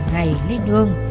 ngày lên hương